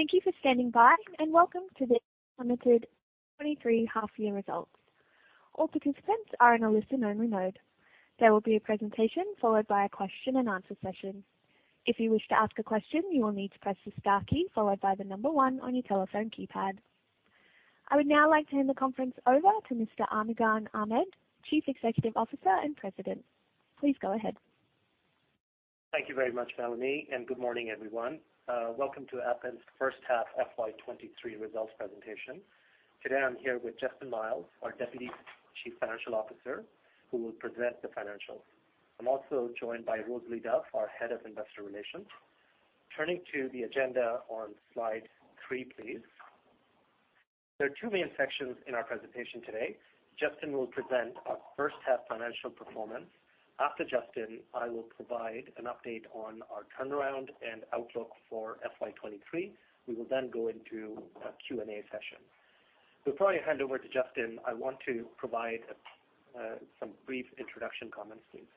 Thank you for standing by, and welcome to Appen Limited's 1H 2023 half-year results. All participants are in a listen-only mode. There will be a presentation followed by a question-and-answer session. If you wish to ask a question, you will need to press the star key followed by the number one on your telephone keypad. I would now like to hand the conference over to Mr. Armughan Ahmad, Chief Executive Officer and President. Please go ahead. Thank you very much, Melanie, and good morning, everyone. Welcome to Appen's first half FY 2023 results presentation. Today, I'm here with Justin Miles, our Deputy Chief Financial Officer, who will present the financials. I'm also joined by Rosalie Duff, our Head of Investor Relations. Turning to the agenda on Slide 3, please. There are two main sections in our presentation today. Justin will present our first half financial performance. After Justin, I will provide an update on our turnaround and outlook for FY 2023. We will then go into a Q&A session. Before I hand over to Justin, I want to provide some brief introduction comments, please.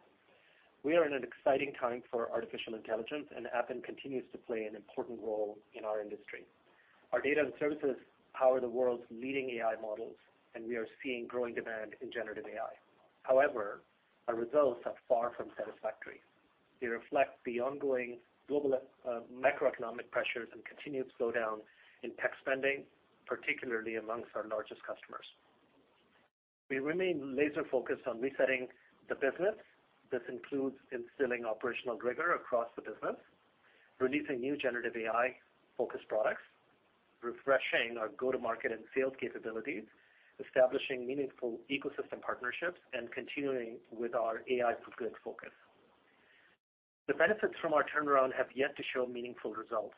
We are in an exciting time for artificial intelligence, and Appen continues to play an important role in our industry. Our data and services power the world's leading AI models, and we are seeing growing demand in generative AI. However, our results are far from satisfactory. They reflect the ongoing global, macroeconomic pressures and continued slowdown in tech spending, particularly among our largest customers. We remain laser-focused on resetting the business. This includes instilling operational rigor across the business, releasing new generative AI-focused products, refreshing our go-to-market and sales capabilities, establishing meaningful ecosystem partnerships, and continuing with our AI for Good focus. The benefits from our turnaround have yet to show meaningful results.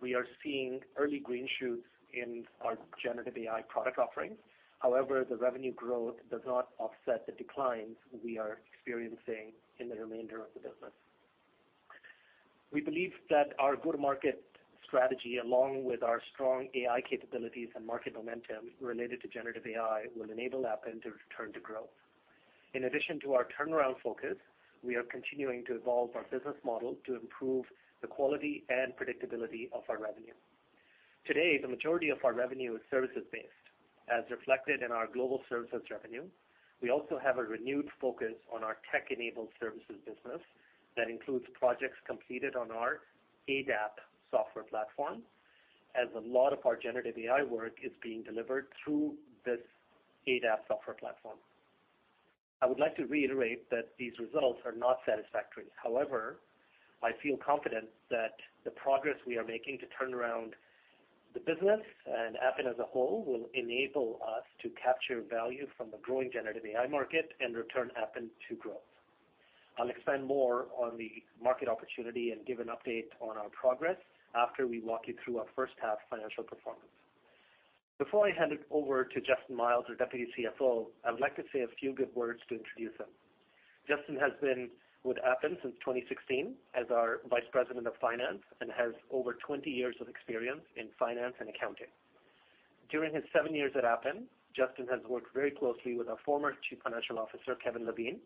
We are seeing early green shoots in our generative AI product offerings. However, the revenue growth does not offset the declines we are experiencing in the remainder of the business. We believe that our go-to-market strategy, along with our strong AI capabilities and market momentum related to generative AI, will enable Appen to return to growth. In addition to our turnaround focus, we are continuing to evolve our business model to improve the quality and predictability of our revenue. Today, the majority of our revenue is services-based, as reflected in our Global Services revenue. We also have a renewed focus on our tech-enabled services business. That includes projects completed on our ADAP software platform, as a lot of our generative AI work is being delivered through this ADAP software platform. I would like to reiterate that these results are not satisfactory. However, I feel confident that the progress we are making to turn around the business and Appen as a whole will enable us to capture value from the growing generative AI market and return Appen to growth. I'll expand more on the market opportunity and give an update on our progress after we walk you through our first half financial performance. Before I hand it over to Justin Miles, our Deputy CFO, I would like to say a few good words to introduce him. Justin has been with Appen since 2016 as our Vice President of Finance and has over 20 years of experience in finance and accounting. During his 7 years at Appen, Justin has worked very closely with our former Chief Financial Officer, Kevin Levine,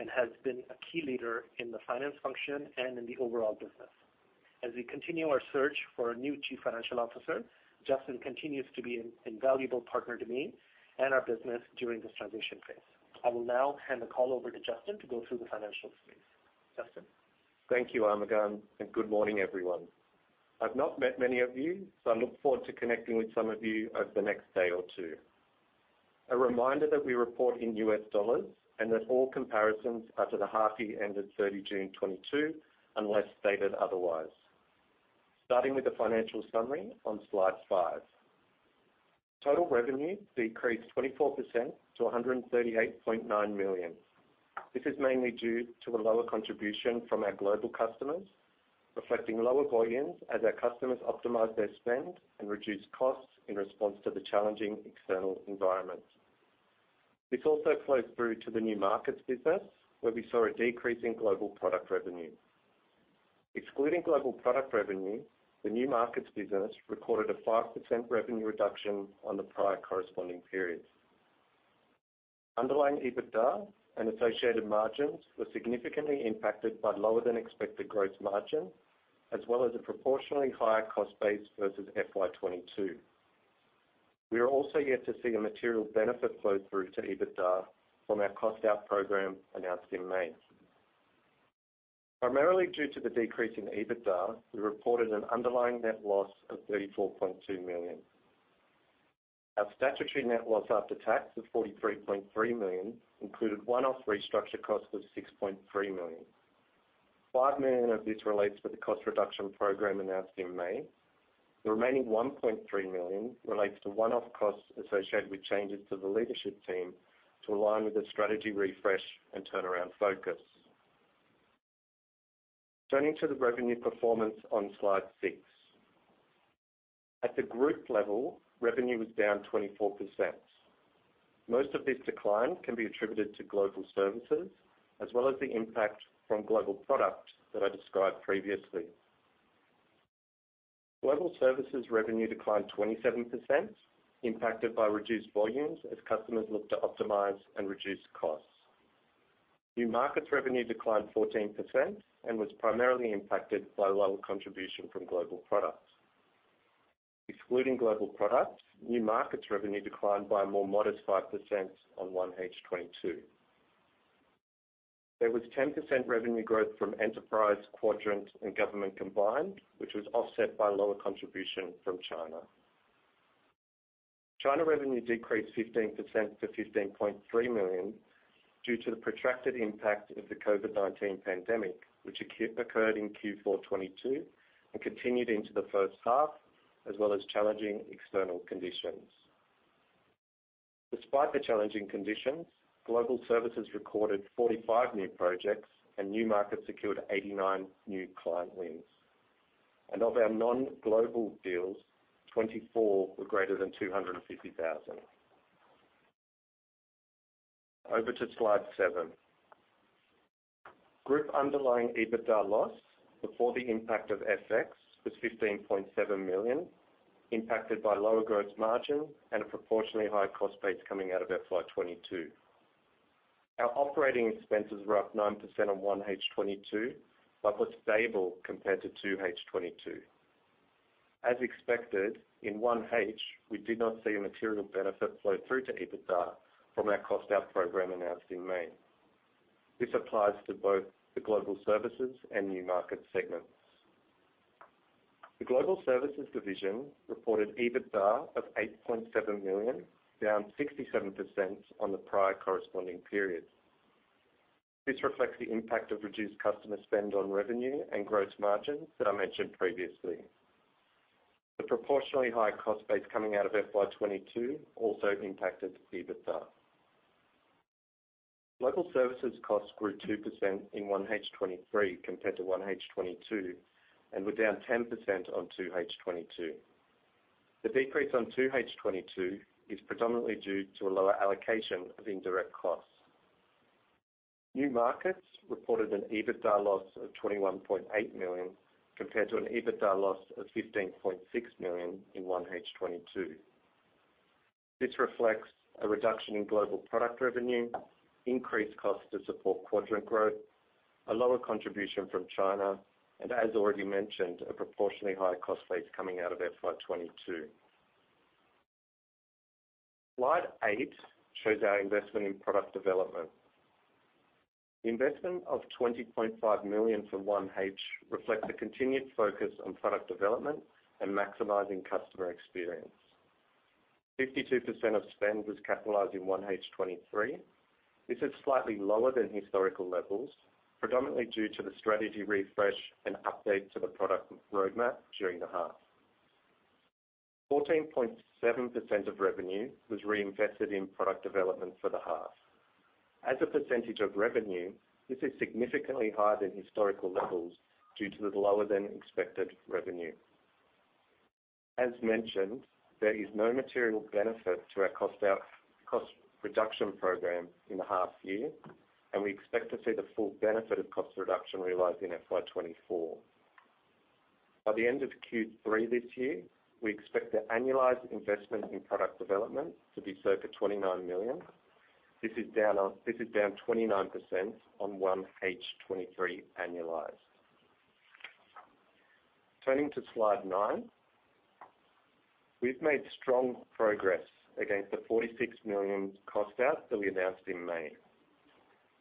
and has been a key leader in the finance function and in the overall business. As we continue our search for a new Chief Financial Officer, Justin continues to be an invaluable partner to me and our business during this transition phase. I will now hand the call over to Justin to go through the financials, please. Justin? Thank you, Armughan, and good morning, everyone. I've not met many of you, so I look forward to connecting with some of you over the next day or two. A reminder that we report in U.S. dollars and that all comparisons are to the half year ended June 30, 2022, unless stated otherwise. Starting with the financial summary on Slide 5. Total revenue decreased 24% to $138.9 million. This is mainly due to the lower contribution from our global customers, reflecting lower volumes as our customers optimize their spend and reduce costs in response to the challenging external environment. This also flows through to the New Markets business, where we saw a decrease in global product revenue. Excluding global product revenue, the New Markets business recorded a 5% revenue reduction on the prior corresponding periods. Underlying EBITDA and associated margins were significantly impacted by lower-than-expected gross margin, as well as a proportionally higher cost base versus FY 2022. We are also yet to see a material benefit flow through to EBITDA from our cost-out program announced in May. Primarily due to the decrease in EBITDA, we reported an underlying net loss of $34.2 million. Our statutory net loss after tax of $43.3 million included one-off restructure costs of $6.3 million. $5 million of this relates to the cost reduction program announced in May. The remaining $1.3 million relates to one-off costs associated with changes to the leadership team to align with the strategy refresh and turnaround focus. Turning to the revenue performance on Slide 6. At the group level, revenue was down 24%. Most of this decline can be attributed to Global Services, as well as the impact from global product that I described previously. Global Services revenue declined 27%, impacted by reduced volumes as customers looked to optimize and reduce costs. New Markets revenue declined 14% and was primarily impacted by lower contribution from global products. Excluding global products, New Markets revenue declined by a more modest 5% on 1H 2022. There was 10% revenue growth from Enterprise, Quadrant and Government combined, which was offset by lower contribution from China. China revenue decreased 15% to $15.3 million due to the protracted impact of the COVID-19 pandemic, which occurred in Q4 2022 and continued into the first half, as well as challenging external conditions. Despite the challenging conditions, Global Services recorded 45 new projects and New Markets secured 89 new client wins. Of our non-global deals, 24 were greater than $250,000. Over to slide 7. Group underlying EBITDA loss before the impact of FX was $15.7 million, impacted by lower gross margin and a proportionally high cost base coming out of FY 2022. Our operating expenses were up 9% on 1H 2022, but were stable compared to 2H 2022. As expected, in 1H, we did not see a material benefit flow through to EBITDA from our cost out program announced in May. This applies to both the Global Services and New Market segments. The Global Services division reported EBITDA of $8.7 million, down 67% on the prior corresponding period. This reflects the impact of reduced customer spend on revenue and gross margins that I mentioned previously. The proportionally high cost base coming out of FY 2022 also impacted EBITDA. Global Services costs grew 2% in 1H 2023 compared to 1H 2022, and were down 10% on 2H 2022. The decrease on 2H 2022 is predominantly due to a lower allocation of indirect costs. New Markets reported an EBITDA loss of $21.8 million, compared to an EBITDA loss of $15.6 million in 1H 2022. This reflects a reduction in global product revenue, increased costs to support Quadrant growth, a lower contribution from China, and as already mentioned, a proportionally higher cost base coming out of FY 2022. Slide 8 shows our investment in product development. Investment of $20.5 million for 1H reflects a continued focus on product development and maximizing customer experience. 52% of spend was capitalized in 1H 2023. This is slightly lower than historical levels, predominantly due to the strategy refresh and update to the product roadmap during the half. 14.7% of revenue was reinvested in product development for the half. As a percentage of revenue, this is significantly higher than historical levels due to the lower-than-expected revenue. As mentioned, there is no material benefit to our cost out, cost reduction program in the half year, and we expect to see the full benefit of cost reduction realized in FY 2024. By the end of Q3 this year, we expect the annualized investment in product development to be circa $29 million. This is down 29% on 1H 2023 annualized. Turning to slide nine, we've made strong progress against the $46 million cost out that we announced in May.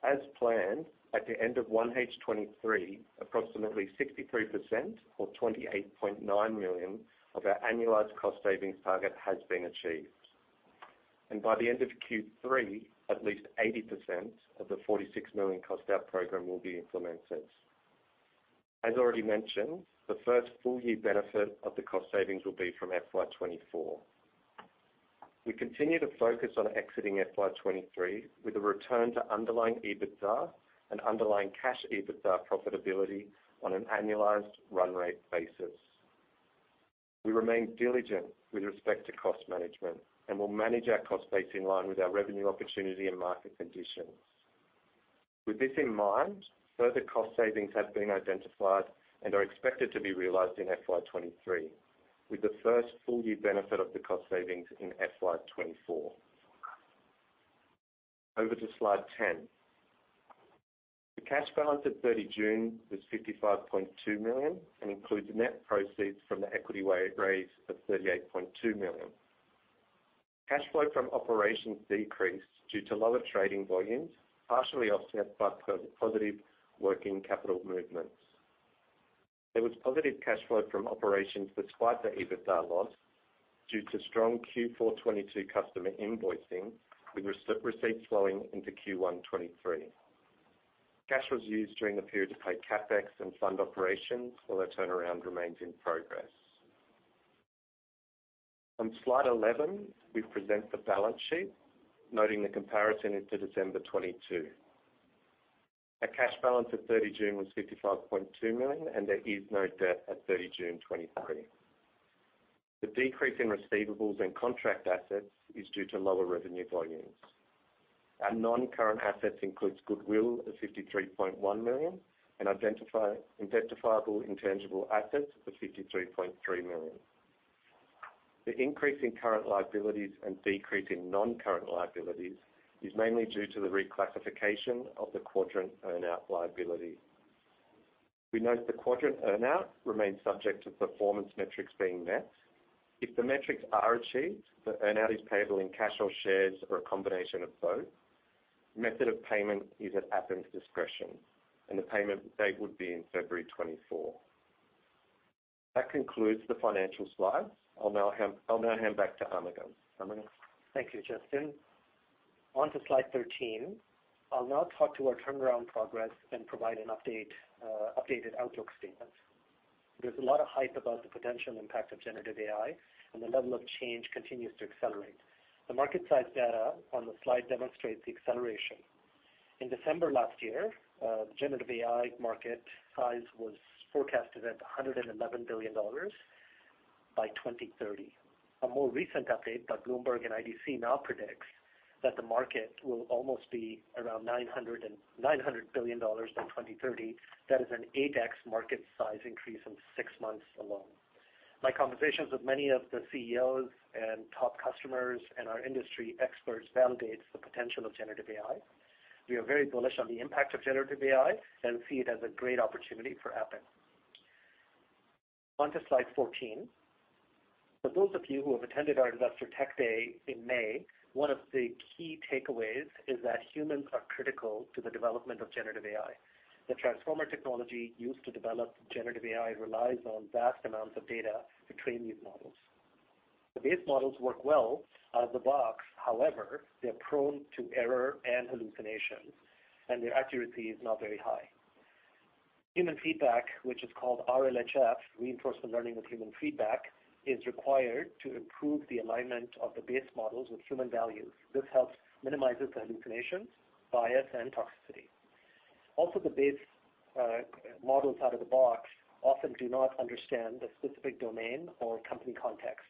As planned, at the end of 1H 2023, approximately 63% or $28.9 million of our annualized cost savings target has been achieved. By the end of Q3, at least 80% of the $46 million cost out program will be implemented. As already mentioned, the first full year benefit of the cost savings will be from FY 2024. We continue to focus on exiting FY 2023 with a return to underlying EBITDA and underlying cash EBITDA profitability on an annualized run rate basis. We remain diligent with respect to cost management and will manage our cost base in line with our revenue opportunity and market conditions. With this in mind, further cost savings have been identified and are expected to be realized in FY 2023, with the first full year benefit of the cost savings in FY 2024. Over to slide 10. The cash balance at 30 June was $55.2 million, and includes net proceeds from the equity raise of $38.2 million. Cash flow from operations decreased due to lower trading volumes, partially offset by positive working capital movements. There was positive cash flow from operations despite the EBITDA loss, due to strong Q4 2022 customer invoicing, with receipts flowing into Q1 2023. Cash was used during the period to pay CapEx and fund operations while our turnaround remains in progress. On slide 11, we present the balance sheet, noting the comparison is to December 2022. Our cash balance at 30 June was $55.2 million, and there is no debt at 30 June 2023. The decrease in receivables and contract assets is due to lower revenue volumes. Our non-current assets includes goodwill of $53.1 million and identifiable intangible assets of $53.3 million. The increase in current liabilities and decrease in non-current liabilities is mainly due to the reclassification of the Quadrant earn-out liability. We note the Quadrant earn-out remains subject to performance metrics being met. If the metrics are achieved, the earn-out is payable in cash or shares or a combination of both. Method of payment is at Appen's discretion, and the payment date would be in February 2024. That concludes the financial slides. I'll now hand, I'll now hand back to Armughan. Armughan? Thank you, Justin. On to slide 13. I'll now talk to our turnaround progress and provide an update, updated outlook statement. There's a lot of hype about the potential impact of generative AI, and the level of change continues to accelerate. The market size data on the slide demonstrates the acceleration. In December last year, the generative AI market size was forecasted at $111 billion by 2030. A more recent update by Bloomberg and IDC now predicts that the market will almost be around $900 billion by 2030. That is an 8x market size increase in six months alone. My conversations with many of the CEOs and top customers and our industry experts validates the potential of generative AI. We are very bullish on the impact of generative AI and see it as a great opportunity for Appen. On to slide 14. For those of you who have attended our Investor Tech Day in May, one of the key takeaways is that humans are critical to the development of generative AI. The Transformer technology used to develop generative AI relies on vast amounts of data to train these models. The base models work well out of the box. However, they're prone to error and hallucinations, and their accuracy is not very high. Human feedback, which is called RLHF, Reinforcement Learning with Human Feedback, is required to improve the alignment of the base models with human values. This helps minimizes the hallucinations, bias, and toxicity. Also, the base, models out of the box often do not understand the specific domain or company context.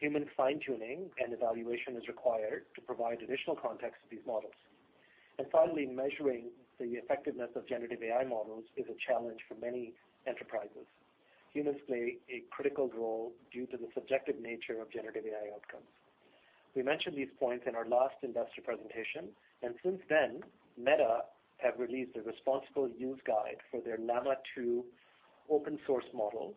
Human fine-tuning and evaluation is required to provide additional context to these models. Finally, measuring the effectiveness of generative AI models is a challenge for many enterprises. Humans play a critical role due to the subjective nature of generative AI outcomes. We mentioned these points in our last investor presentation, and since then, Meta have released a responsible use guide for their Llama 2 open-source model.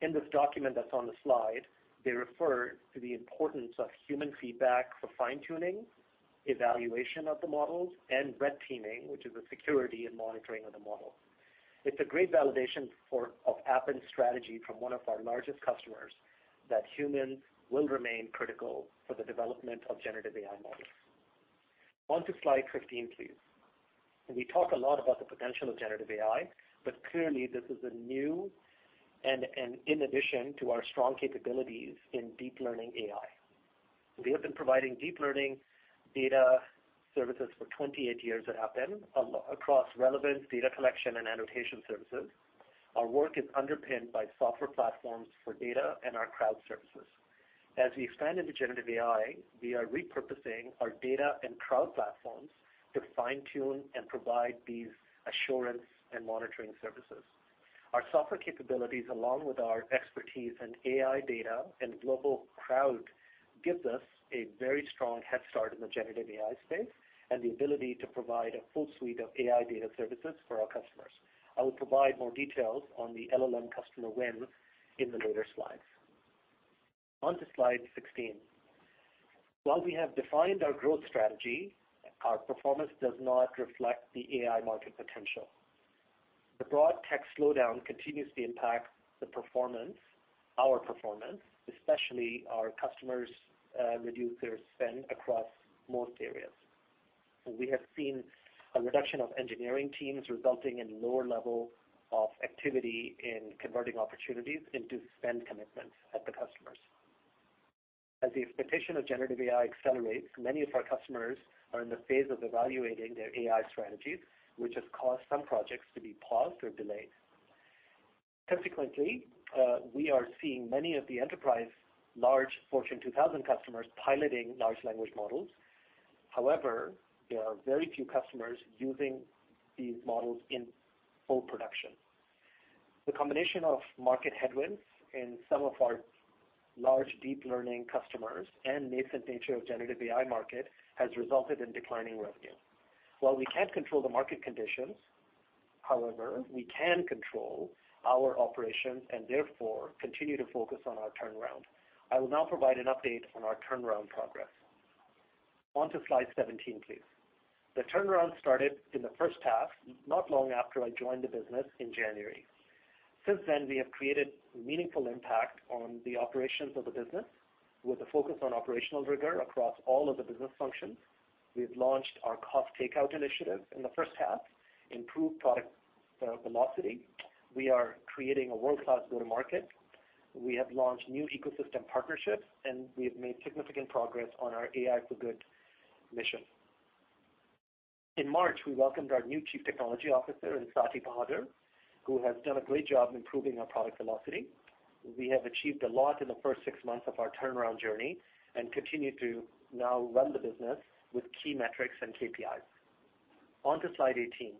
In this document that's on the slide, they refer to the importance of human feedback for fine-tuning, evaluation of the models, and red teaming, which is the security and monitoring of the model. It's a great validation of Appen's strategy from one of our largest customers, that humans will remain critical for the development of generative AI models. On to slide 15, please. We talk a lot about the potential of generative AI, but clearly, this is a new and in addition to our strong capabilities in deep learning AI. We have been providing deep learning data services for 28 years at Appen, across relevance, data collection, and annotation services. Our work is underpinned by software platforms for data and our crowd services. As we expand into generative AI, we are repurposing our data and crowd platforms to fine-tune and provide these assurance and monitoring services. Our software capabilities, along with our expertise in AI data and global crowd, gives us a very strong head start in the generative AI space, and the ability to provide a full suite of AI data services for our customers. I will provide more details on the LLM customer win in the later slides. On to slide 16. While we have defined our growth strategy, our performance does not reflect the AI market potential. The broad tech slowdown continues to impact the performance, our performance, especially our customers reduce their spend across most areas. We have seen a reduction of engineering teams, resulting in lower level of activity in converting opportunities into spend commitments at the customers. As the expectation of generative AI accelerates, many of our customers are in the phase of evaluating their AI strategies, which has caused some projects to be paused or delayed. Consequently, we are seeing many of the enterprise large Fortune 2000 customers piloting large language models. However, there are very few customers using these models in full production. The combination of market headwinds in some of our large deep learning customers and nascent nature of generative AI market has resulted in declining revenue. While we can't control the market conditions, however, we can control our operations and therefore, continue to focus on our turnaround. I will now provide an update on our turnaround progress. On to slide 17, please. The turnaround started in the first half, not long after I joined the business in January. Since then, we have created meaningful impact on the operations of the business, with a focus on operational rigor across all of the business functions. We've launched our cost takeout initiative in the first half, improved product velocity. We are creating a world-class go-to-market. We have launched new ecosystem partnerships, and we have made significant progress on our AI for Good mission. In March, we welcomed our new Chief Technology Officer, Saty Bahadur, who has done a great job improving our product velocity. We have achieved a lot in the first 6 months of our turnaround journey and continue to now run the business with key metrics and KPIs. On to slide 18.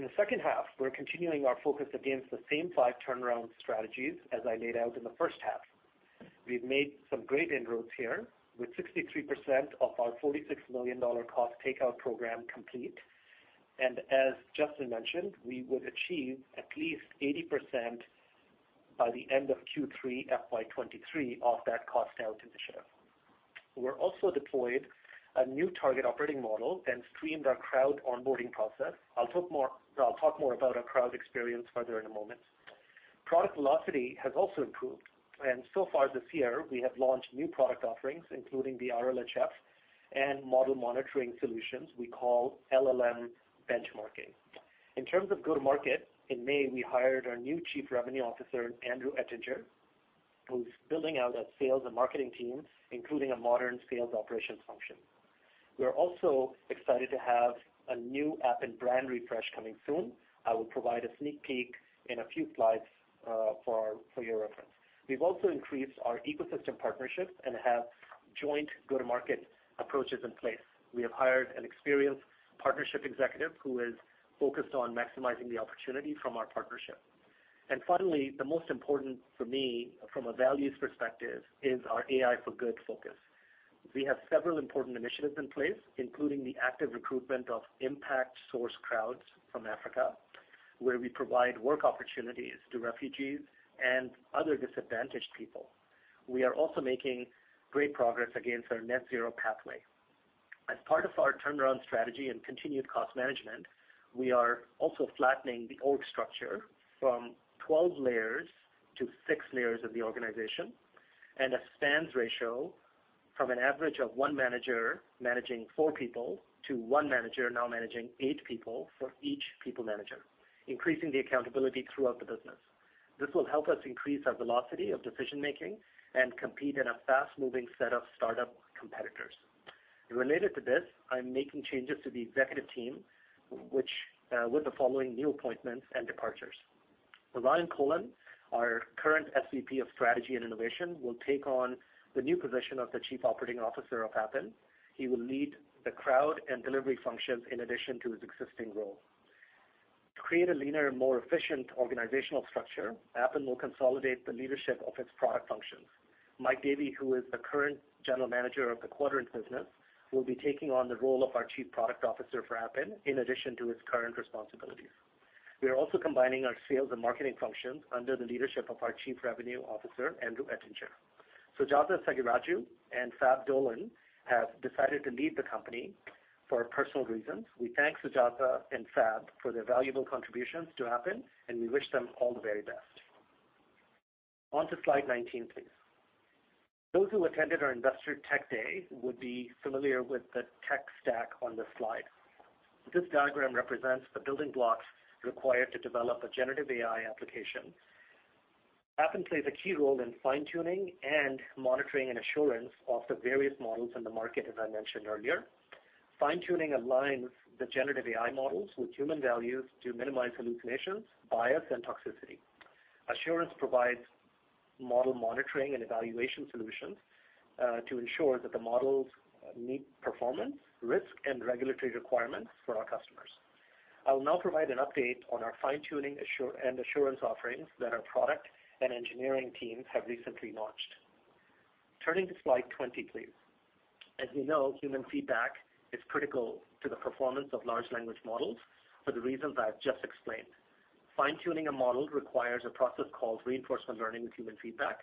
In the second half, we're continuing our focus against the same 5 turnaround strategies as I laid out in the first half. We've made some great inroads here, with 63% of our $46 million cost takeout program complete. And as Justin mentioned, we would achieve at least 80% by the end of Q3 FY 2023 of that cost out initiative. We're also deployed a new target operating model and streamed our crowd onboarding process. I'll talk more, I'll talk more about our crowd experience further in a moment. Product velocity has also improved, and so far this year, we have launched new product offerings, including the RLHF and model monitoring solutions we call LLM benchmarking. In terms of go-to-market, in May, we hired our new Chief Revenue Officer, Andrew Ettinger, who's building out a sales and marketing team, including a modern sales operations function. We are also excited to have a new Appen brand refresh coming soon. I will provide a sneak peek in a few slides, for our, for your reference. We've also increased our ecosystem partnerships and have joint go-to-market approaches in place. We have hired an experienced partnership executive who is focused on maximizing the opportunity from our partnership. And finally, the most important for me from a values perspective is our AI for good focus. We have several important initiatives in place, including the active recruitment of impact source crowds from Africa, where we provide work opportunities to refugees and other disadvantaged people. We are also making great progress against our net zero pathway. As part of our turnaround strategy and continued cost management, we are also flattening the org structure from 12 layers to 6 layers of the organization, and a spans ratio from an average of one manager managing 4 people to one manager now managing 8 people for each people manager, increasing the accountability throughout the business. This will help us increase our velocity of decision-making and compete in a fast-moving set of startup competitors. Related to this, I'm making changes to the executive team, which, with the following new appointments and departures. Ryan Kolln, our current SVP of Strategy and Innovation, will take on the new position of the Chief Operating Officer of Appen. He will lead the crowd and delivery functions in addition to his existing role. To create a leaner and more efficient organizational structure, Appen will consolidate the leadership of its product functions. Mike Davey, who is the current General Manager of the Quadrant business, will be taking on the role of our Chief Product Officer for Appen, in addition to his current responsibilities. We are also combining our sales and marketing functions under the leadership of our Chief Revenue Officer, Andrew Ettinger. Sujatha Sagiraju and Fab Dolan have decided to leave the company for personal reasons. We thank Sujatha and Fab for their valuable contributions to Appen, and we wish them all the very best. On to slide 19, please. Those who attended our Investor Tech Day would be familiar with the tech stack on this slide. This diagram represents the building blocks required to develop a generative AI application. Appen plays a key role in fine-tuning and monitoring and assurance of the various models in the market, as I mentioned earlier. Fine-tuning aligns the generative AI models with human values to minimize hallucinations, bias, and toxicity. Assurance provides model monitoring and evaluation solutions to ensure that the models meet performance, risk, and regulatory requirements for our customers. I will now provide an update on our fine-tuning and assurance offerings that our product and engineering teams have recently launched. Turning to slide 20, please. As we know, human feedback is critical to the performance of large language models for the reasons I've just explained. Fine-tuning a model requires a process called reinforcement learning with human feedback.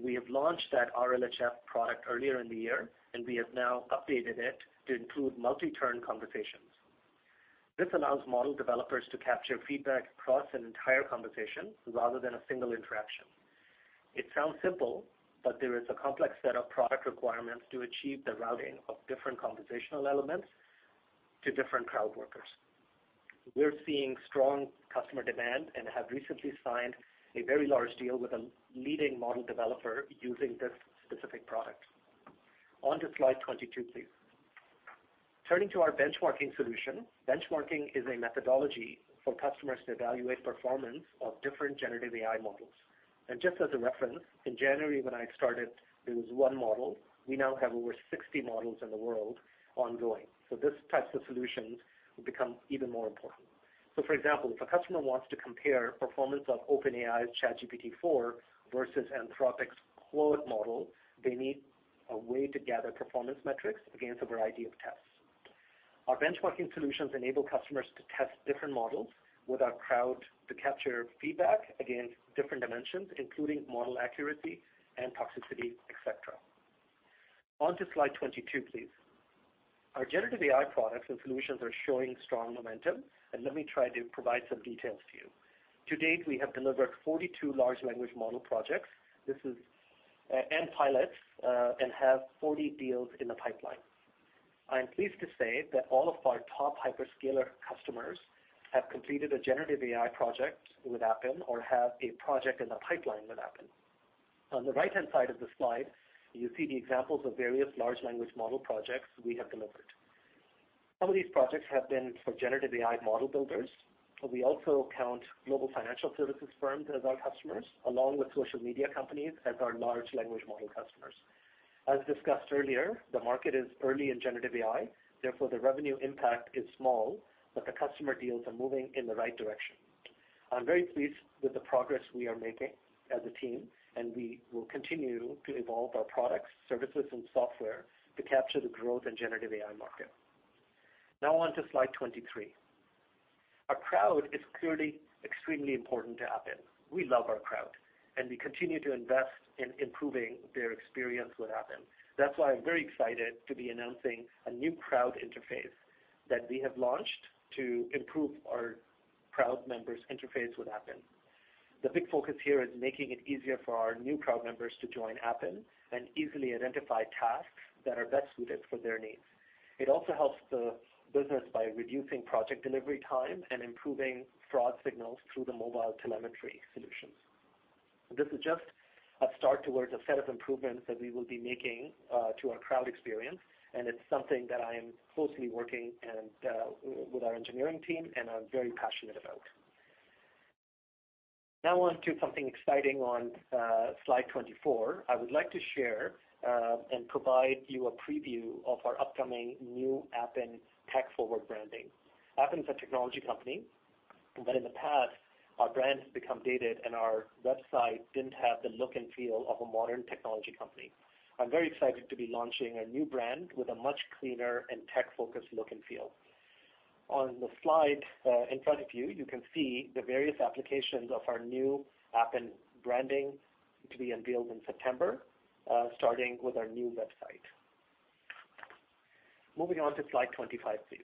We have launched that RLHF product earlier in the year, and we have now updated it to include multi-turn conversations. This allows model developers to capture feedback across an entire conversation rather than a single interaction. It sounds simple, but there is a complex set of product requirements to achieve the routing of different conversational elements to different crowd workers. We're seeing strong customer demand and have recently signed a very large deal with a leading model developer using this specific product. On to slide 22, please. Turning to our benchmarking solution, benchmarking is a methodology for customers to evaluate performance of different generative AI models. Just as a reference, in January, when I started, there was one model. We now have over 60 models in the world ongoing, so these types of solutions will become even more important. For example, if a customer wants to compare performance of OpenAI's ChatGPT-4 versus Anthropic's Claude model, they need a way to gather performance metrics against a variety of tests. Our benchmarking solutions enable customers to test different models with our crowd, to capture feedback against different dimensions, including model accuracy and toxicity, et cetera. On to slide 22, please. Our generative AI products and solutions are showing strong momentum, and let me try to provide some details to you. To date, we have delivered 42 large language model projects. This is, and pilots, and have 40 deals in the pipeline. I am pleased to say that all of our top hyperscaler customers have completed a generative AI project with Appen or have a project in the pipeline with Appen. On the right-hand side of the slide, you see the examples of various large language model projects we have delivered. Some of these projects have been for generative AI model builders, but we also count global financial services firms as our customers, along with social media companies as our large language model customers... As discussed earlier, the market is early in generative AI, therefore, the revenue impact is small, but the customer deals are moving in the right direction. I'm very pleased with the progress we are making as a team, and we will continue to evolve our products, services, and software to capture the growth in generative AI market. Now on to slide 23. Our crowd is clearly extremely important to Appen. We love our crowd, and we continue to invest in improving their experience with Appen. That's why I'm very excited to be announcing a new crowd interface that we have launched to improve our crowd members' interface with Appen. The big focus here is making it easier for our new crowd members to join Appen and easily identify tasks that are best suited for their needs. It also helps the business by reducing project delivery time and improving fraud signals through the mobile telemetry solutions. This is just a start towards a set of improvements that we will be making to our crowd experience, and it's something that I am closely working and with our engineering team, and I'm very passionate about. Now on to something exciting on slide 24. I would like to share and provide you a preview of our upcoming new Appen tech-forward branding. Appen is a technology company, but in the past, our brand has become dated, and our website didn't have the look and feel of a modern technology company. I'm very excited to be launching a new brand with a much cleaner and tech-focused look and feel. On the slide, in front of you, you can see the various applications of our new Appen branding to be unveiled in September, starting with our new website. Moving on to slide 25, please.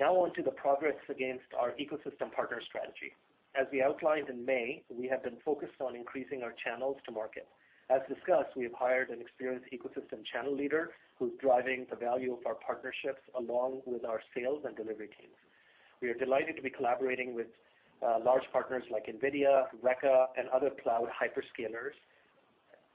Now on to the progress against our ecosystem partner strategy. As we outlined in May, we have been focused on increasing our channels to market. As discussed, we have hired an experienced ecosystem channel leader, who's driving the value of our partnerships, along with our sales and delivery teams. We are delighted to be collaborating with, large partners like NVIDIA, Reka, and other cloud hyperscalers,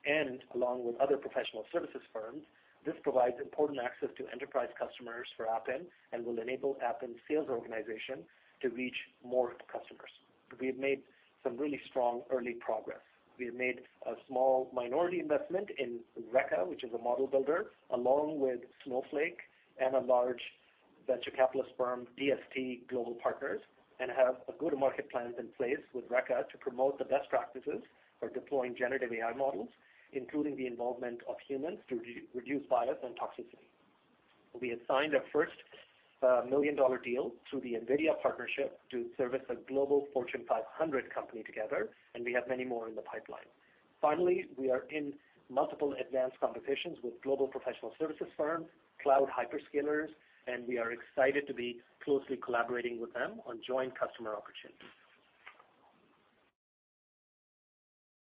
and along with other professional services firms, this provides important access to enterprise customers for Appen and will enable Appen's sales organization to reach more customers. We have made some really strong early progress. We have made a small minority investment in Reka, which is a model builder, along with Snowflake and a large venture capitalist firm, DST Global Partners, and have a go-to-market plan in place with Reka to promote the best practices for deploying generative AI models, including the involvement of humans to reduce bias and toxicity. We have signed our first $1 million deal through the NVIDIA partnership to service a global Fortune 500 company together, and we have many more in the pipeline. Finally, we are in multiple advanced conversations with global professional services firms, cloud hyperscalers, and we are excited to be closely collaborating with them on joint customer opportunities.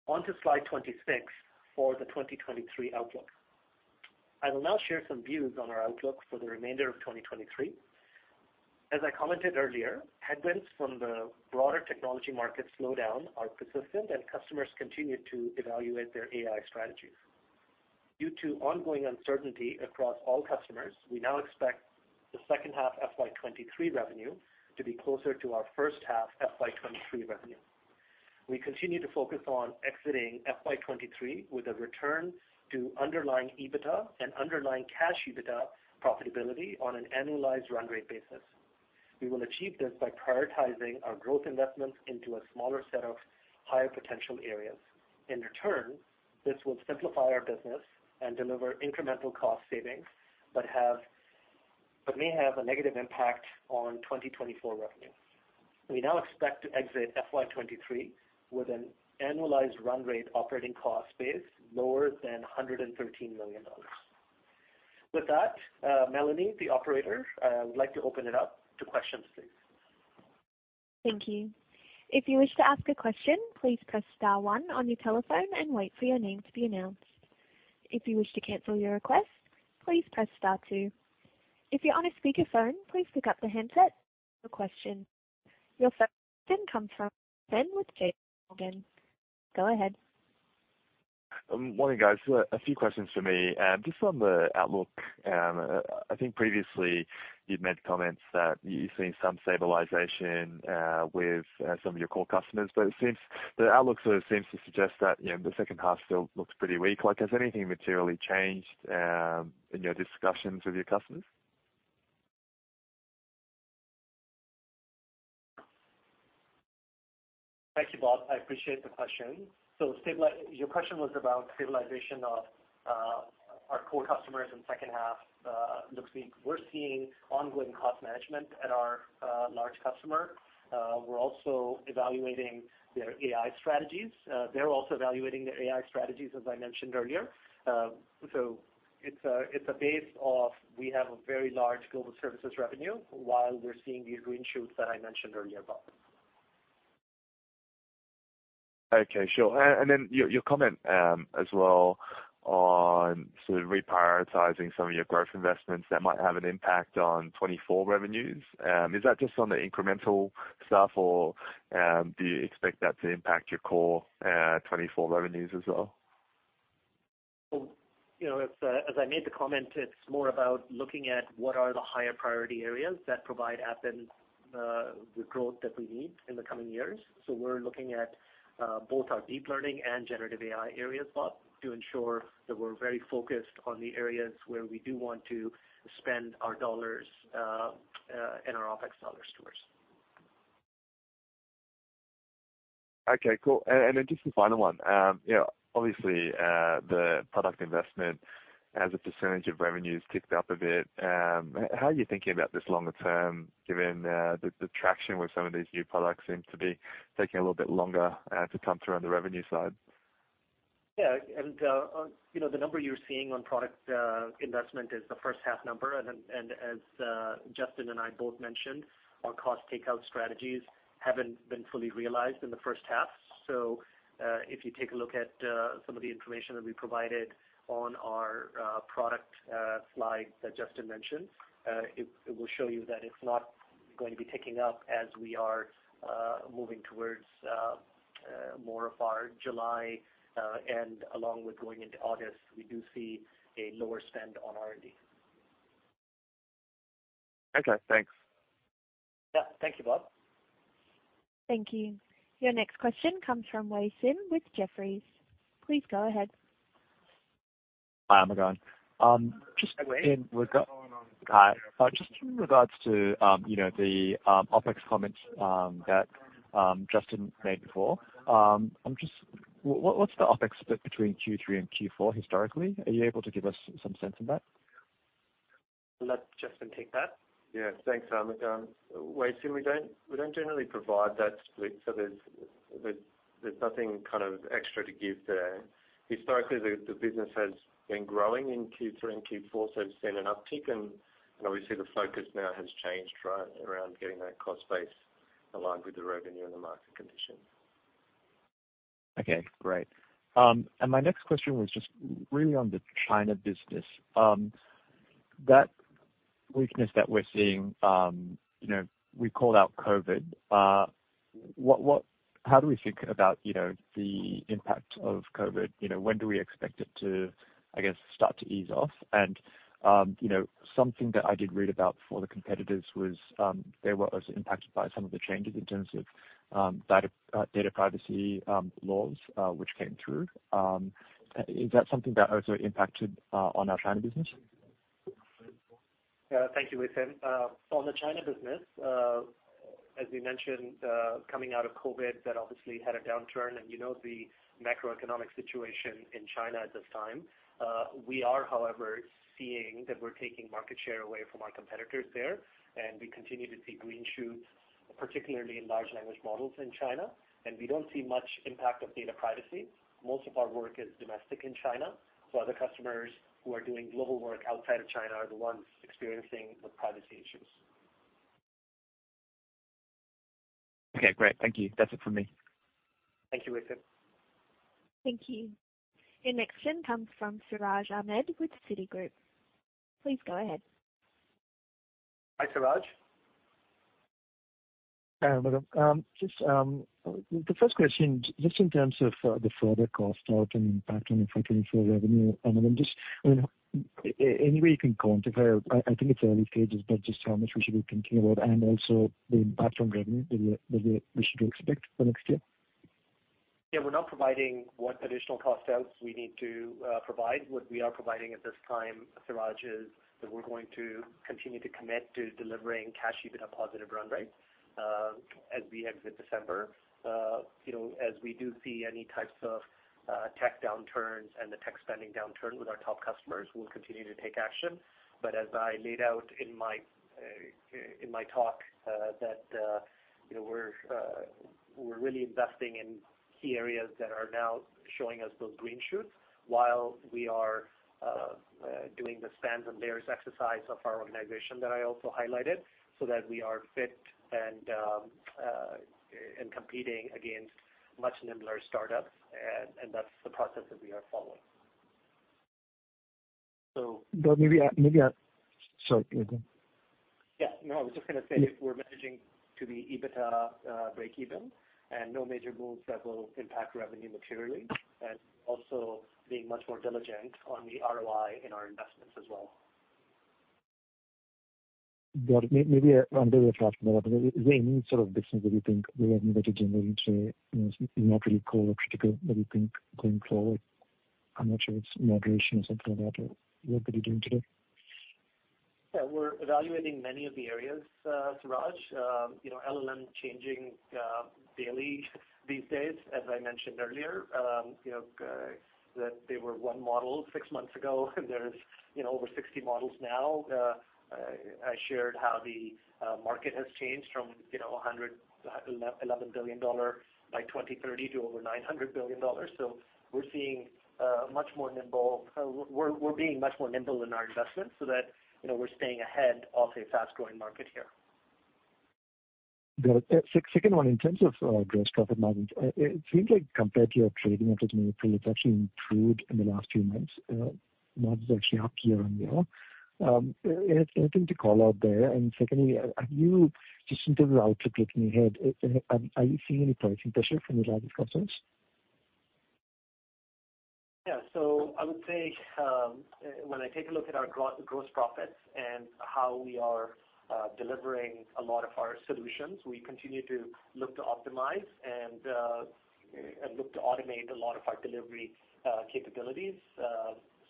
On to slide 26 for the 2023 outlook. I will now share some views on our outlook for the remainder of 2023. As I commented earlier, headwinds from the broader technology market slowdown are persistent, and customers continue to evaluate their AI strategies. Due to ongoing uncertainty across all customers, we now expect the second half FY 2023 revenue to be closer to our first half FY 2023 revenue. We continue to focus on exiting FY 2023 with a return to underlying EBITDA and underlying cash EBITDA profitability on an annualized run rate basis. We will achieve this by prioritizing our growth investments into a smaller set of higher potential areas. In return, this will simplify our business and deliver incremental cost savings, but may have a negative impact on 2024 revenue. We now expect to exit FY 2023 with an annualized run rate operating cost base lower than $113 million. With that, Melanie, the operator, I would like to open it up to questions, please. Thank you. If you wish to ask a question, please press star one on your telephone and wait for your name to be announced. If you wish to cancel your request, please press star two. If you're on a speakerphone, please pick up the handset for question. Your first question comes from Bob with JP Morgan. Go ahead. Morning, guys. So a few questions for me. Just on the outlook, I think previously you'd made comments that you've seen some stabilization with some of your core customers, but it seems... The outlook sort of seems to suggest that, you know, the second half still looks pretty weak. Like, has anything materially changed in your discussions with your customers? Thank you, Bob. I appreciate the question. So your question was about stabilization of our core customers in second half looks weak. We're seeing ongoing cost management at our large customer. We're also evaluating their AI strategies. They're also evaluating their AI strategies, as I mentioned earlier. So it's a, it's a base of, we have a very large Global Services revenue, while we're seeing these green shoots that I mentioned earlier, Bob. Okay, sure. And then your comment as well on sort of reprioritizing some of your growth investments that might have an impact on 2024 revenues. Is that just on the incremental stuff, or do you expect that to impact your core 2024 revenues as well?... Well, you know, as I made the comment, it's more about looking at what are the higher priority areas that provide Appen the growth that we need in the coming years. So we're looking at both our deep learning and generative AI areas, Bob, to ensure that we're very focused on the areas where we do want to spend our dollars and our OpEx dollar stores. Okay, cool. And then just the final one. Yeah, obviously, the product investment as a percentage of revenue has ticked up a bit. How are you thinking about this longer term, given the traction with some of these new products seems to be taking a little bit longer to come through on the revenue side? Yeah, and, you know, the number you're seeing on product investment is the first half number. And then, and as, Justin and I both mentioned, our cost takeout strategies haven't been fully realized in the first half. So, if you take a look at, some of the information that we provided on our, product, slide that Justin mentioned, it, it will show you that it's not going to be ticking up as we are, moving towards, more of our July, and along with going into August, we do see a lower spend on R&D. Okay, thanks. Yeah. Thank you, Bob. Thank you. Your next question comes from Wei Sim with Jefferies. Please go ahead. Hi, Armughan. Just- Hi, Wei. Hi. Just in regards to, you know, the OpEx comments that Justin made before, I'm just... What's the OpEx split between Q3 and Q4 historically? Are you able to give us some sense of that? I'll let Justin take that. Yeah. Thanks, Armughan. Wei Sim, we don't, we don't generally provide that split, so there's nothing kind of extra to give there. Historically, the business has been growing in Q3, and Q4 has seen an uptick in, and obviously, the focus now has changed around getting that cost base aligned with the revenue and the market conditions. Okay, great. And my next question was just really on the China business. That weakness that we're seeing, you know, we called out COVID. What, how do we think about, you know, the impact of COVID? You know, when do we expect it to, I guess, start to ease off? And, you know, something that I did read about for the competitors was, they were also impacted by some of the changes in terms of, data privacy laws, which came through. Is that something that also impacted on our China business? Yeah. Thank you, Wei Sim. On the China business, as we mentioned, coming out of COVID, that obviously had a downturn, and you know, the macroeconomic situation in China at this time. We are, however, seeing that we're taking market share away from our competitors there, and we continue to see green shoots, particularly in large language models in China. And we don't see much impact of data privacy. Most of our work is domestic in China, so other customers who are doing global work outside of China are the ones experiencing the privacy issues. Okay, great. Thank you. That's it for me. Thank you, Wei Sim. Thank you. Your next question comes from Siraj Ahmed with Citigroup. Please go ahead. Hi, Siraj. Hi, Armughan. Just, the first question, just in terms of the further cost out and impact on the fiscal year revenue, and then just, I mean, any way you can quantify, I think it's early stages, but just how much we should be thinking about and also the impact on revenue, that we should expect for next year? Yeah, we're not providing what additional cost outs we need to provide. What we are providing at this time, Siraj, is that we're going to continue to commit to delivering cash EBITDA positive run rate as we exit December. You know, as we do see any types of tech downturns and the tech spending downturn with our top customers, we'll continue to take action. But as I laid out in my talk, that you know, we're really investing in key areas that are now showing us those green shoots while we are doing the spans and layers exercise of our organization that I also highlighted, so that we are fit and and competing against much nimbler startups. And that's the process that we are following. So- But maybe... Sorry, go ahead. Yeah. No, I was just gonna say we're managing to the EBITDA breakeven, and no major goals that will impact revenue materially, and also being much more diligent on the ROI in our investments as well. But maybe, under the platform, is there any sort of business that you think the revenue that you're generating is not really core, critical, that you think going forward? I'm not sure it's moderation or something like that, or what are you doing today? Yeah, we're evaluating many of the areas, Siraj. You know, LLM changing daily these days, as I mentioned earlier. You know, that they were one model six months ago, and there's, you know, over 60 models now. I shared how the market has changed from, you know, $111 billion by 2030 to over $900 billion. So we're seeing much more nimble. We're being much more nimble in our investments so that, you know, we're staying ahead of a fast-growing market here. The second one, in terms of gross profit margins, it seems like compared to your trading at this meaningful, it's actually improved in the last few months. Margin is actually up year on year. Anything to call out there? And secondly, are you just in terms of outlook looking ahead, are you seeing any pricing pressure from your largest customers? So I would say, when I take a look at our gross profits and how we are delivering a lot of our solutions, we continue to look to optimize and look to automate a lot of our delivery capabilities.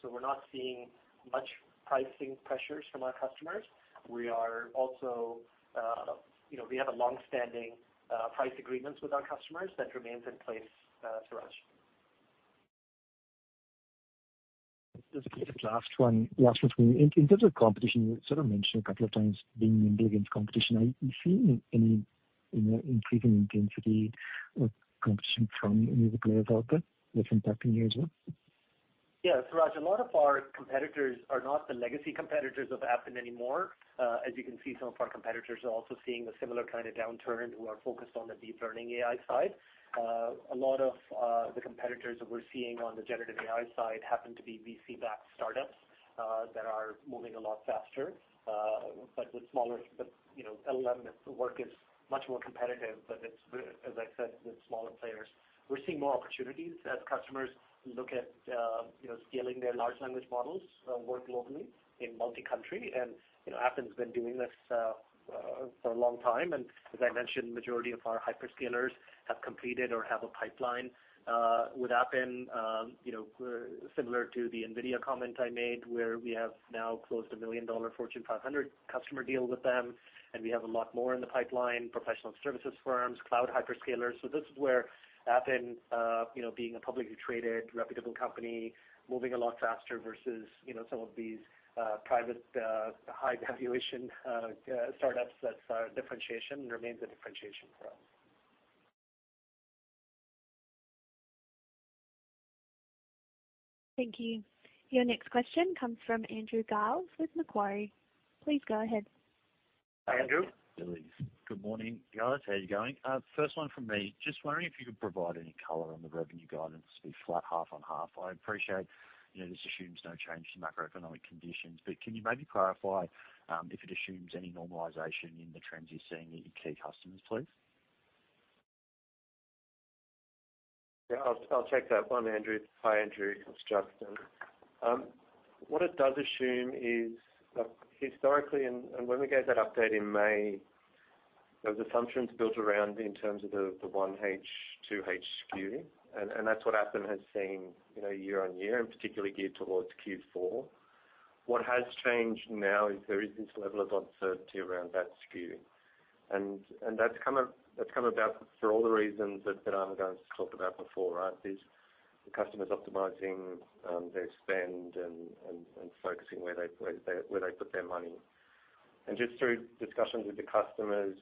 So we're not seeing much pricing pressures from our customers. We are also, you know, we have a long-standing price agreements with our customers that remains in place, Siraj. Just a quick last one. Last one for you. In terms of competition, you sort of mentioned a couple of times being in big competition. Are you seeing any, you know, increase in intensity or competition from any of the players out there that's impacting you as well? Yeah, Siraj, a lot of our competitors are not the legacy competitors of Appen anymore. As you can see, some of our competitors are also seeing a similar kind of downturn who are focused on the deep learning AI side. A lot of the competitors that we're seeing on the generative AI side happen to be VC-backed startups that are moving a lot faster, but with smaller... But, you know, LLM work is much more competitive, but it's, as I said, with smaller players. We're seeing more opportunities as customers look at, you know, scaling their large language models work globally in multi-country. And, you know, Appen's been doing this for a long time, and as I mentioned, majority of our hyperscalers have completed or have a pipeline with Appen. You know, similar to the NVIDIA comment I made, where we have now closed a $1 million Fortune 500 customer deal with them, and we have a lot more in the pipeline, professional services firms, cloud hyperscalers. So this is where Appen, you know, being a publicly traded, reputable company, moving a lot faster versus, you know, some of these private, high valuation startups. That's our differentiation, remains a differentiation for us. Thank you. Your next question comes from Andrew Gilbey with Macquarie. Please go ahead. Hi, Andrew. Good morning, guys. How you going? First one from me. Just wondering if you could provide any color on the revenue guidance to be flat half on half. I appreciate, you know, this assumes no change to macroeconomic conditions, but can you maybe clarify if it assumes any normalization in the trends you're seeing in your key customers, please? Yeah, I'll take that one, Andrew. Hi, Andrew. It's Justin. What it does assume is, historically, and when we gave that update in May, those assumptions built around in terms of the 1H, 2H SKU, and that's what Appen has seen, you know, year-on-year, and particularly geared towards Q4. What has changed now is there is this level of uncertainty around that SKU, and that's come about for all the reasons that Armughan talked about before, right? The customer's optimizing their spend and focusing where they put their money. And just through discussions with the customers,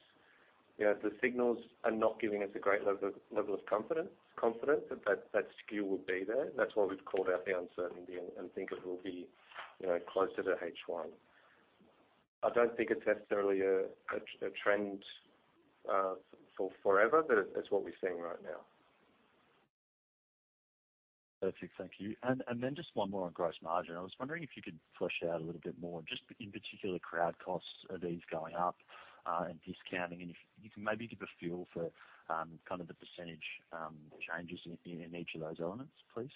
you know, the signals are not giving us a great level of confidence that that SKU will be there. That's why we've called out the uncertainty and think it will be, you know, closer to H1. I don't think it's necessarily a trend for forever, but it's what we're seeing right now. Perfect. Thank you. And then just one more on gross margin. I was wondering if you could flesh out a little bit more, just in particular, crowd costs. Are these going up, and discounting? And if you can maybe give a feel for, kind of the percentage changes in each of those elements, please.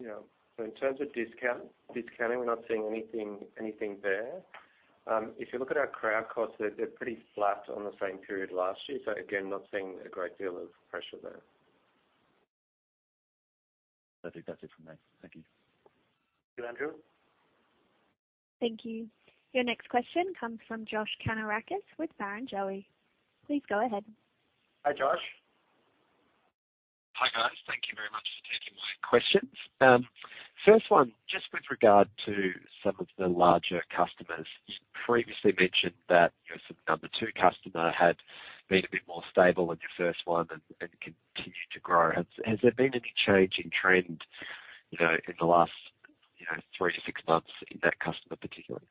Yeah. So in terms of discount, discounting, we're not seeing anything there. If you look at our crowd costs, they're pretty flat on the same period last year. So again, not seeing a great deal of pressure there. Perfect. That's it from me. Thank you. Thank you, Andrew. Thank you. Your next question comes from Josh Kannourakis with Barrenjoey. Please go ahead. Hi, Josh. Hi, guys. Thank you very much for taking my questions. First one, just with regard to some of the larger customers, you previously mentioned that your sort of number two customer had been a bit more stable than your first one and continued to grow. Has there been any change in trend, you know, in the last, you know, three to six months in that customer particularly?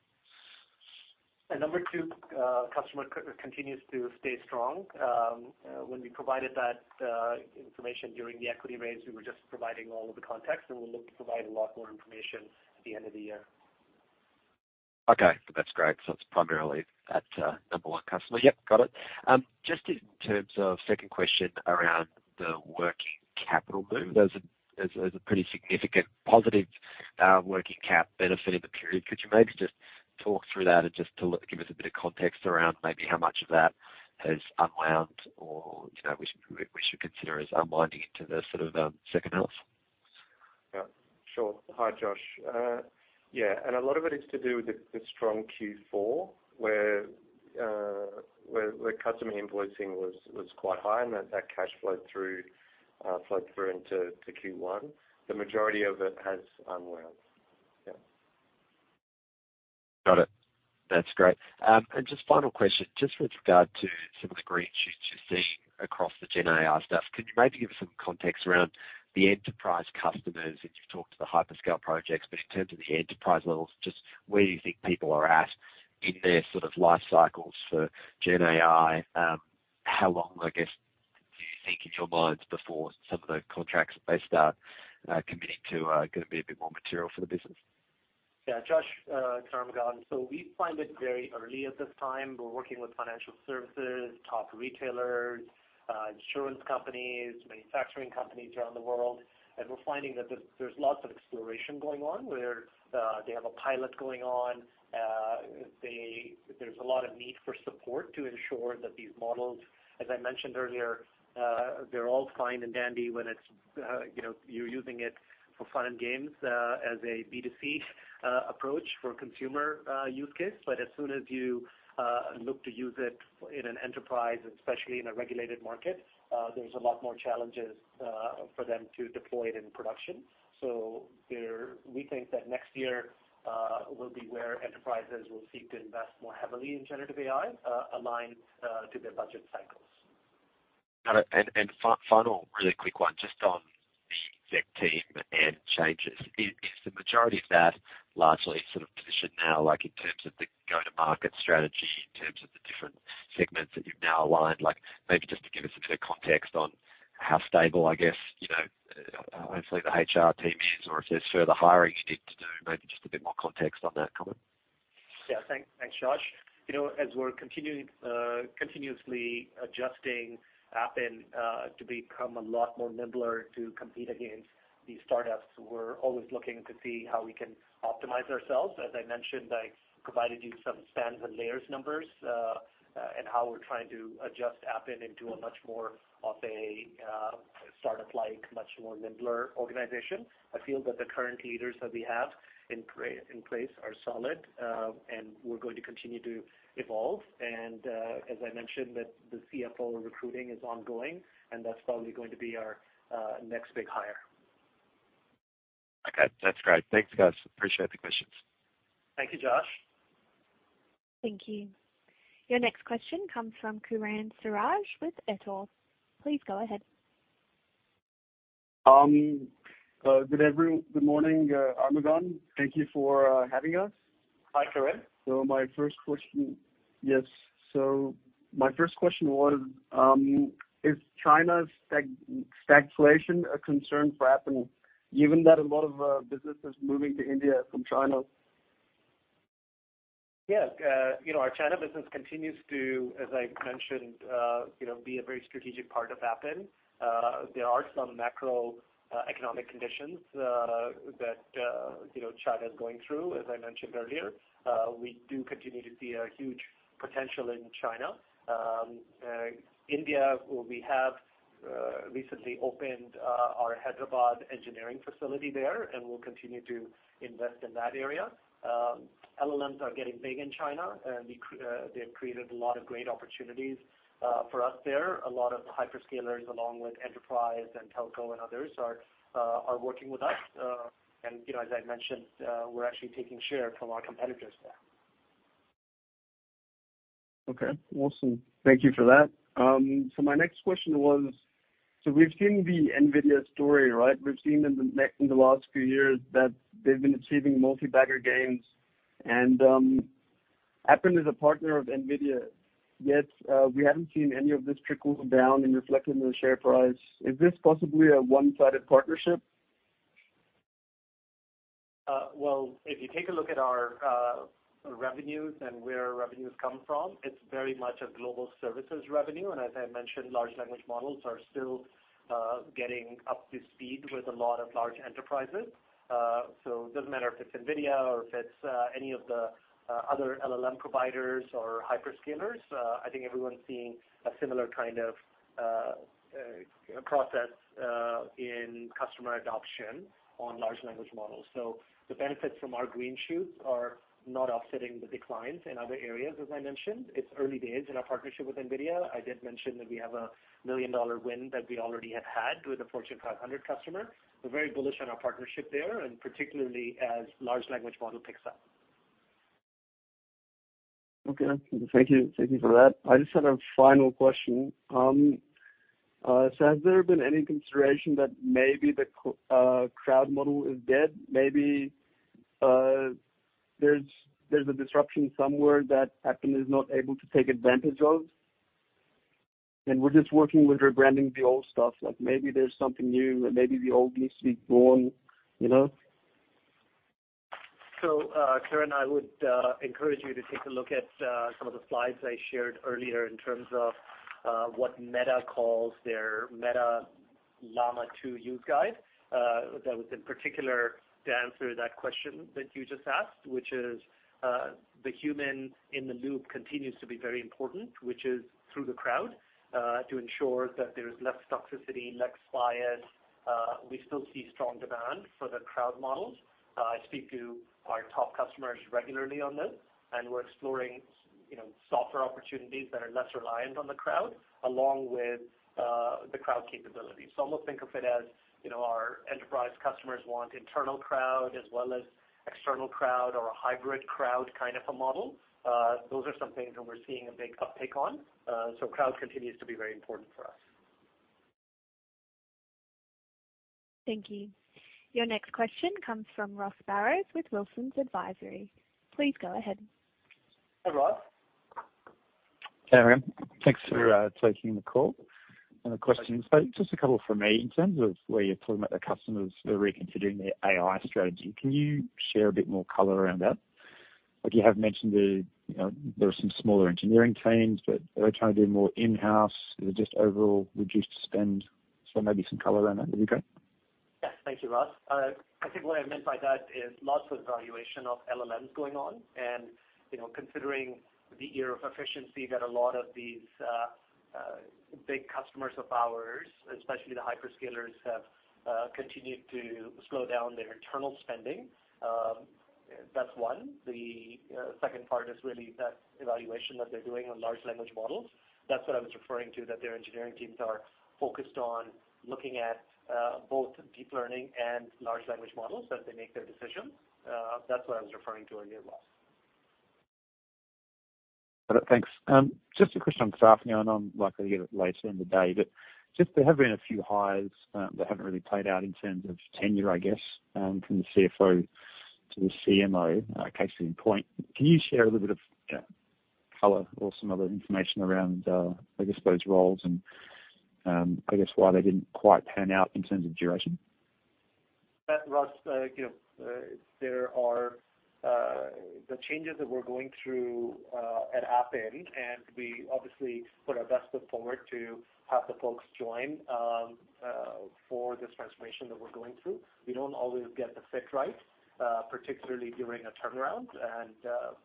Our number two customer continues to stay strong. When we provided that information during the equity raise, we were just providing all of the context, and we'll look to provide a lot more information at the end of the year. Okay, that's great. So it's primarily that, number one customer. Yep, got it. Just in terms of second question around the working capital move, there's a pretty significant positive working cap benefit in the period. Could you maybe just talk through that and just to give us a bit of context around maybe how much of that has unwound or, you know, we should, we should consider as unwinding into the sort of, second half? Yeah, sure. Hi, Josh. Yeah, and a lot of it is to do with the strong Q4, where customer invoicing was quite high, and that cash flow through flowed through into Q1. The majority of it has unwound. Yeah. Got it. That's great. And just final question, just with regard to some of the green shoots you're seeing across the GenAI stuff, could you maybe give us some context around the enterprise customers? And you've talked to the hyperscale projects, but in terms of the enterprise levels, just where do you think people are at in their sort of life cycles for GenAI? How long, I guess, do you think in your minds, before some of the contracts they start committing to going to be a bit more material for the business? ... Yeah, Josh, Armughan. So we find it very early at this time. We're working with financial services, top retailers, insurance companies, manufacturing companies around the world, and we're finding that there's lots of exploration going on, where they have a pilot going on. There's a lot of need for support to ensure that these models, as I mentioned earlier, they're all fine and dandy when it's, you know, you're using it for fun and games, as a B2C approach for consumer use case. But as soon as you look to use it in an enterprise, especially in a regulated market, there's a lot more challenges for them to deploy it in production. We think that next year will be where enterprises will seek to invest more heavily in generative AI, aligned to their budget cycles. Got it. And final really quick one, just on the exec team and changes. Is the majority of that largely sort of positioned now, like in terms of the go-to-market strategy, in terms of the different segments that you've now aligned? Like, maybe just to give us a bit of context on how stable, I guess, you know, hopefully the HR team is, or if there's further hiring you need to do, maybe just a bit more context on that comment. Yeah. Thank, thanks, Josh. You know, as we're continuing, continuously adjusting Appen to become a lot more nimbler to compete against these startups, we're always looking to see how we can optimize ourselves. As I mentioned, I provided you some spans and layers numbers, and how we're trying to adjust Appen into a much more of a, startup-like, much more nimbler organization. I feel that the current leaders that we have in place are solid, and we're going to continue to evolve. As I mentioned, that the CFO recruiting is ongoing, and that's probably going to be our next big hire. Okay. That's great. Thanks, guys. Appreciate the questions. Thank you, Josh. Thank you. Your next question comes from Karan Siraj with Ethel. Please go ahead. Good morning, Armughan. Thank you for having us. Hi, Karan. So my first question was, is China's stagflation a concern for Appen, given that a lot of businesses moving to India from China? Yeah, you know, our China business continues to, as I mentioned, you know, be a very strategic part of Appen. There are some macroeconomic conditions, that, you know, China is going through, as I mentioned earlier. We do continue to see a huge potential in China. India, we have, recently opened, our Hyderabad engineering facility there, and we'll continue to invest in that area. LLMs are getting big in China, and they've created a lot of great opportunities, for us there. A lot of hyperscalers, along with enterprise and telco and others, are, are working with us. And, you know, as I mentioned, we're actually taking share from our competitors there. Okay, awesome. Thank you for that. So my next question was: so we've seen the NVIDIA story, right? We've seen in the last few years that they've been achieving multi-bagger gains, and, Appen is a partner of NVIDIA, yet, we haven't seen any of this trickle down and reflect in the share price. Is this possibly a one-sided partnership? Well, if you take a look at our revenues and where our revenues come from, it's very much a Global Services revenue. As I mentioned, large language models are still getting up to speed with a lot of large enterprises. So it doesn't matter if it's NVIDIA or if it's any of the other LLM providers or hyperscalers. I think everyone's seeing a similar kind of process in customer adoption on large language models. So the benefits from our green shoots are not offsetting the declines in other areas, as I mentioned. It's early days in our partnership with NVIDIA. I did mention that we have a $1 million win that we already have had with a Fortune 500 customer. We're very bullish on our partnership there, and particularly as large language model picks up. Okay, thank you. Thank you for that. I just had a final question. So has there been any consideration that maybe the crowd model is dead? Maybe there's a disruption somewhere that Appen is not able to take advantage of, and we're just working with rebranding the old stuff. Like, maybe there's something new, and maybe the old needs to be gone, you know? So, Karan, I would encourage you to take a look at some of the slides I shared earlier in terms of what Meta calls their Meta Llama 2 user guide. That was in particular to answer that question that you just asked, which is the human in the loop continues to be very important, which is through the crowd to ensure that there is less toxicity, less bias. We still see strong demand for the crowd models. I speak to our top customers regularly on this, and we're exploring, you know, software opportunities that are less reliant on the crowd, along with the crowd capabilities. So almost think of it as, you know, our enterprise customers want internal crowd as well as external crowd or a hybrid crowd kind of a model. Those are some things that we're seeing a big uptick on. So crowd continues to be very important for us. Thank you. Your next question comes from Ross Brous with Wilsons Advisory. Please go ahead. Hi, Ross.... Hey, everyone. Thanks for taking the call. And the questions, just a couple from me. In terms of where you're talking about the customers are reconsidering their AI strategy, can you share a bit more color around that? Like you have mentioned the, you know, there are some smaller engineering teams, but are they trying to do more in-house? Is it just overall reduced spend? So maybe some color around that would be great. Yes. Thank you, Ross. I think what I meant by that is lots of evaluation of LLMs going on. And, you know, considering the year of efficiency that a lot of these big customers of ours, especially the hyperscalers, have continued to slow down their internal spending. That's one. The second part is really that evaluation that they're doing on large language models. That's what I was referring to, that their engineering teams are focused on looking at both deep learning and large language models as they make their decisions. That's what I was referring to earlier, Ross. Got it. Thanks. Just a question on staffing, I know I'm likely to get it later in the day, but just there have been a few hires that haven't really played out in terms of tenure, I guess, from the CFO to the CMO, case in point. Can you share a little bit of color or some other information around, I guess, those roles and, I guess, why they didn't quite pan out in terms of duration? Ross, you know, there are the changes that we're going through at Appen, and we obviously put our best foot forward to have the folks join for this transformation that we're going through. We don't always get the fit right, particularly during a turnaround, and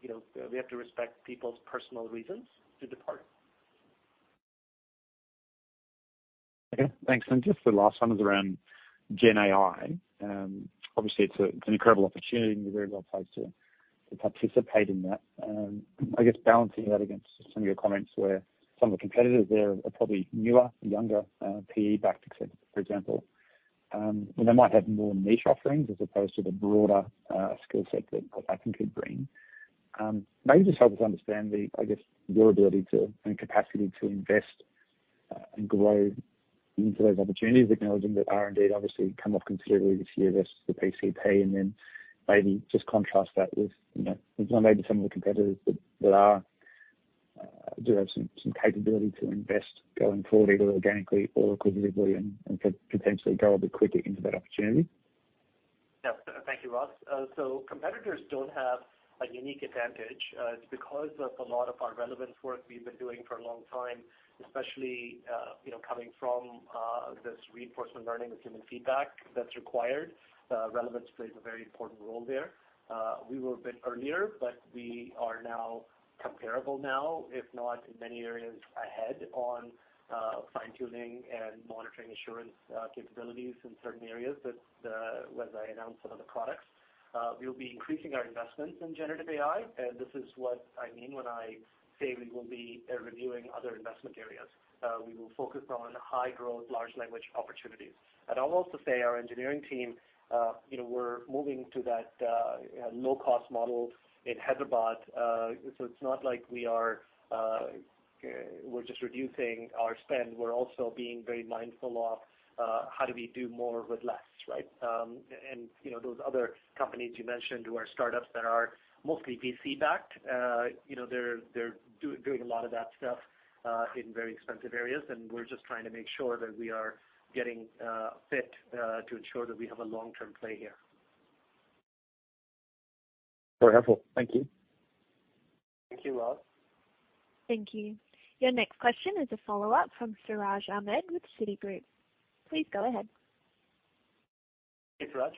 you know, we have to respect people's personal reasons to depart. Okay, thanks. And just the last one is around Gen AI. Obviously, it's an incredible opportunity, and you're very well placed to participate in that. I guess balancing that against some of your comments where some of the competitors there are probably newer, younger, PE-backed, et cetera, for example, well, they might have more niche offerings as opposed to the broader skill set that Appen could bring. Maybe just help us understand the, I guess, your ability to and capacity to invest and grow into those opportunities, acknowledging that R&D obviously come off considerably this year versus the PCP. Then maybe just contrast that with, you know, maybe some of the competitors that do have some capability to invest going forward, either organically or acquisitively, and could potentially go a bit quicker into that opportunity. Yeah. Thank you, Ross. So competitors don't have a unique advantage. It's because of a lot of our relevance work we've been doing for a long time, especially, you know, coming from this reinforcement learning with human feedback that's required. Relevance plays a very important role there. We were a bit earlier, but we are now comparable now, if not in many areas ahead on fine-tuning and monitoring assurance capabilities in certain areas. That's the - when I announce some of the products. We'll be increasing our investments in generative AI, and this is what I mean when I say we will be reviewing other investment areas. We will focus on high growth, large language opportunities. I'd also say our engineering team, you know, we're moving to that low-cost model in Hyderabad. So it's not like we are, we're just reducing our spend. We're also being very mindful of how do we do more with less, right? And, you know, those other companies you mentioned, who are startups that are mostly VC-backed, you know, they're doing a lot of that stuff in very expensive areas, and we're just trying to make sure that we are getting fit to ensure that we have a long-term play here. Very helpful. Thank you. Thank you, Ross. Thank you. Your next question is a follow-up from Siraj Ahmed with Citigroup. Please go ahead. Hey, Siraj.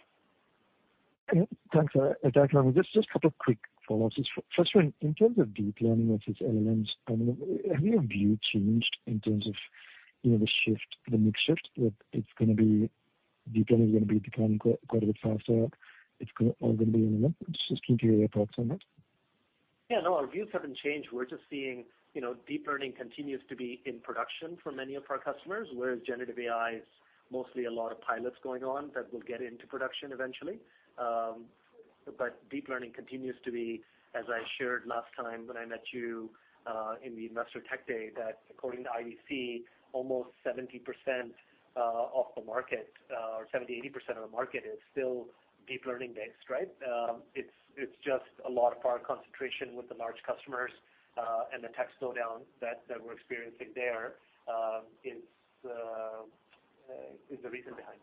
Thanks, Armughan. Just, just a couple of quick follow-ups. First one, in terms of deep learning versus LLMs, I mean, have your view changed in terms of, you know, the shift, the mix shift, that it's gonna be... Deep learning is gonna be becoming quite a bit faster? It's all gonna be in a month. Just keep your thoughts on that. Yeah, no, our views haven't changed. We're just seeing, you know, deep learning continues to be in production for many of our customers, whereas generative AI is mostly a lot of pilots going on that will get into production eventually. But deep learning continues to be, as I shared last time when I met you, in the Investor Tech Day, that according to IDC, almost 70%, or 70%-80% of the market is still deep learning-based, right? It's just a lot of our concentration with the large customers, and the tech slowdown that we're experiencing there, is the reason behind it.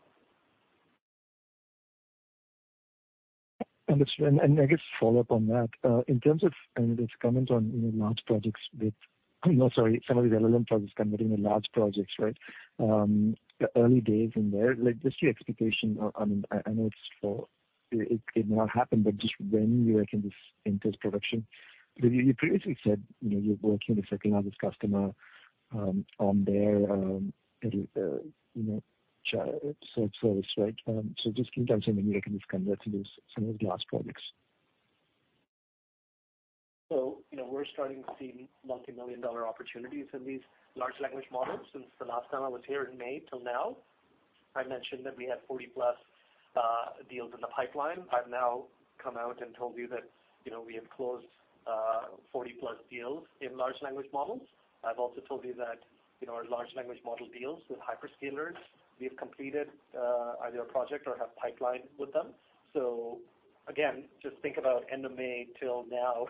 Understood. And I guess follow up on that. In terms of, and this comment on, you know, some of the relevant projects competing in large projects, right? Early days in there, like, just your expectation, I mean, I know it's for... It might not happen, but just when you reckon this enters production? You previously said, you know, you're working with a large customer, on their, you know, service, right? So just in terms of when you reckon this come into this, some of the large projects. So, you know, we're starting to see multimillion-dollar opportunities in these large language models since the last time I was here in May till now. I mentioned that we had 40-plus deals in the pipeline. I've now come out and told you that, you know, we have closed 40-plus deals in large language models. I've also told you that, you know, our large language model deals with hyperscalers. We've completed either a project or have pipeline with them. So again, just think about end of May till now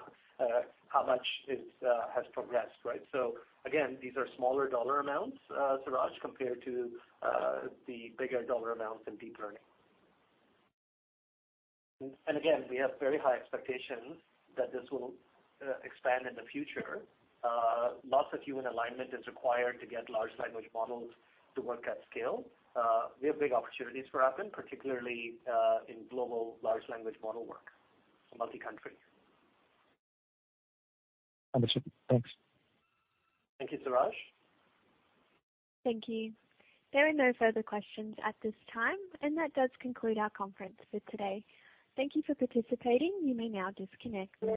how much it has progressed, right? So again, these are smaller dollar amounts, Siraj, compared to the bigger dollar amounts in deep learning. And again, we have very high expectations that this will expand in the future. Lots of human alignment is required to get large language models to work at scale. We have big opportunities for Appen, particularly, in global large language model work, multi-country. Understood. Thanks. Thank you, Siraj. Thank you. There are no further questions at this time, and that does conclude our conference for today. Thank you for participating. You may now disconnect.